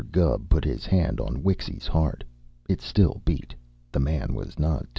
Gubb put his hand on Wixy's heart. It still beat! The man was not dead!